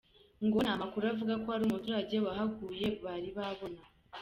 Ngo nta makuru avuga ko hari umuturage wahaguye bari babona.